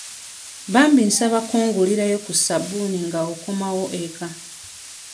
Bambi nsaba kungulirayo ku sabbuuni nga okomawo eka.